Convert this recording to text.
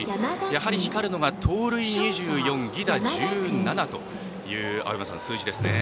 やはり光るのが、盗塁２４犠打１７という数字ですね。